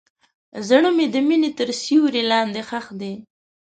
زړه مې د مینې تر سیوري لاندې ښخ دی.